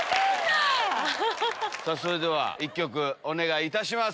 それでは１曲お願いいたします。